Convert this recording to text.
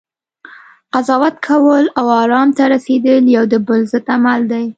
قضاوت کول، او ارام ته رسیدل یو د بل ضد عمل دی